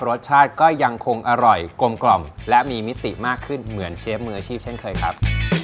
รสชาติก็ยังคงอร่อยกลมกล่อมและมีมิติมากขึ้นเหมือนเชฟมืออาชีพเช่นเคยครับ